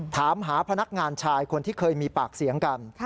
ถามหาพนักงานชายคนที่เคยมีปากเสียงกัน